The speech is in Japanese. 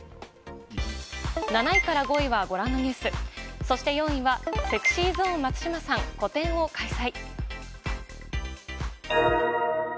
７位から５位はご覧のニュース、そして４位は、ＳｅｘｙＺｏｎｅ松島さん、個展を開催。